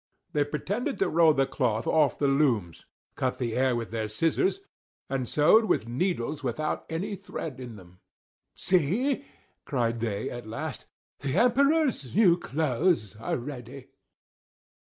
They pretended to roll the cloth off the looms; cut the air with their scissors; and sewed with needles without any thread in them. "See!" cried they, at last. "The Emperor's new clothes are ready!"